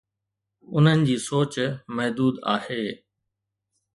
انهن جي سوچ محدود آهي.